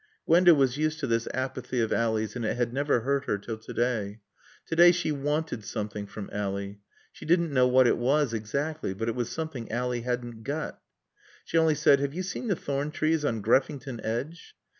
Gwenda was used to this apathy of Ally's and it had never hurt her till to day. To day she wanted something from Ally. She didn't know what it was exactly, but it was something Ally hadn't got. She only said, "Have you seen the thorn trees on Greffington Edge?"